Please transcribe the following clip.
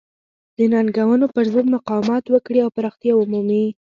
د ننګونو پرضد مقاومت وکړي او پراختیا ومومي.